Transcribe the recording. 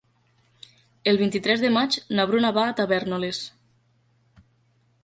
El vint-i-tres de maig na Bruna va a Tavèrnoles.